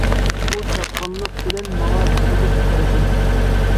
ئۇ چاققانلىق بىلەن ماڭا بۇرۇلۇپ قارىدى.